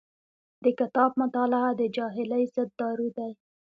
د کتاب مطالعه د جاهلۍ ضد دارو دی.